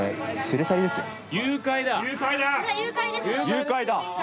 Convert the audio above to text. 誘拐だ！